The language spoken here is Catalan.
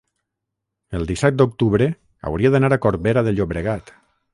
el disset d'octubre hauria d'anar a Corbera de Llobregat.